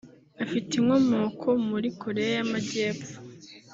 Afite inkomoko muri Koreya y’Amajyepfo